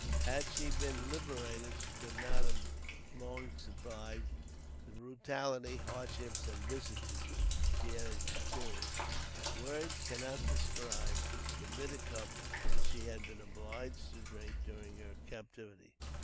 Had she been liberated, she could not have long survived the brutality, hardships and vicissitudes she had experienced. Words cannot describe the bitter cup that she had been obliged to drink during her captivity.